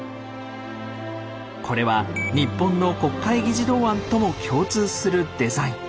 これは日本の国会議事堂案とも共通するデザイン。